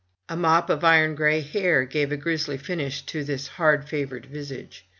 A mop of iron gray hair gave a grisly finish to this hard favored visage.